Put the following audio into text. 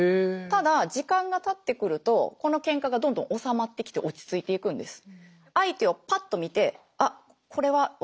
ただ時間がたってくるとこのケンカがどんどん収まってきて落ち着いていくんです。